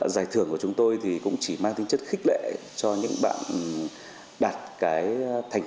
giải thưởng của chúng tôi thì cũng chỉ mang tính chất khích lệ cho những bạn đạt cái tổ chức này